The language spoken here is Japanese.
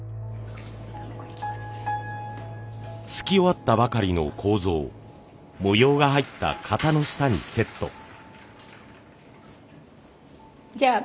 漉き終わったばかりの楮を模様が入った型の下にセット。